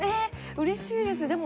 うれしいです。